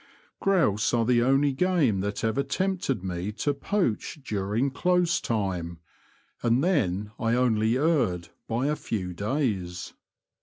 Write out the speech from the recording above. Grouse are the only game that ever tempted me to poach during close time, and then I only erred by a few days.